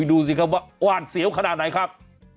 ดูสิครับว่าอ้านเสียวขนาดไหนครับ